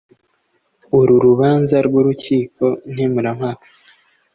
uru rubanza rw urukiko nkemurampaka